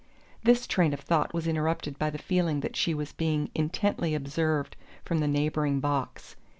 This train of thought was interrupted by the feeling that she was being intently observed from the neighbouring box.